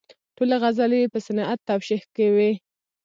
ټولې غزلې یې په صنعت توشیح کې وې.